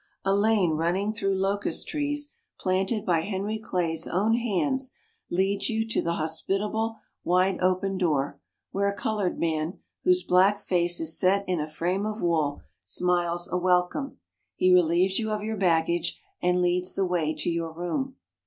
A lane running through locust trees planted by Henry Clay's own hands leads you to the hospitable, wide open door, where a colored man, whose black face is set in a frame of wool, smiles a welcome. He relieves you of your baggage and leads the way to your room.